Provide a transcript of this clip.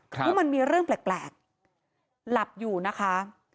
ครับมันมีเรื่องแปลกแปลกหลับอยู่นะคะ